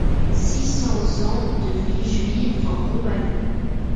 Six cents ans de vie juive en Roumanie.